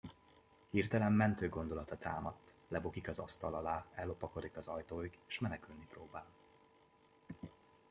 Hirtelen mentő gondolata támadt: lebukik az asztal alá, ellopakodik az ajtóig, és menekülni próbál.